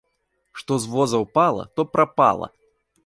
Што з воза ўпала, то прапала!